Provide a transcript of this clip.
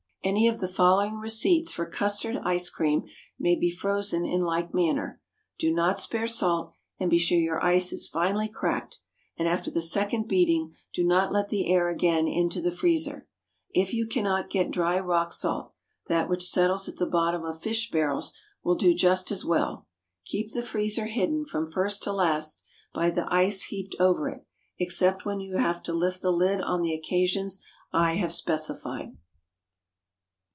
Any of the following receipts for custard ice cream may be frozen in like manner. Do not spare salt, and be sure your ice is finely cracked, and after the second beating do not let the air again into the freezer. If you cannot get dry rock salt, that which settles at the bottom of fish barrels will do just as well. Keep the freezer hidden, from first to last, by the ice heaped over it, except when you have to lift the lid on the occasions I have specified.